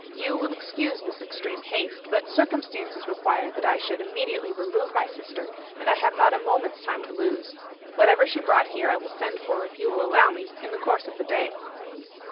You will excuse this extreme haste, but circumstances require that I should immediately remove my sister, and I have not a moment's time to lose. Whatever she brought here I will send for, if you will allow me, in the course of the day.